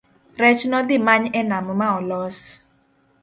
rech nodhimany e nam maolos